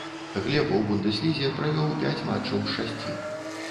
Глеб у бундэслізе правёў пяць матчаў з шасці.